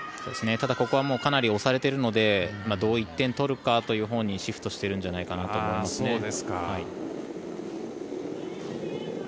ただ、ここはかなり押されているのでどう１点取るかというほうにシフトしてるんじゃないかと思いますね。